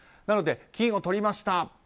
なので、金をとりました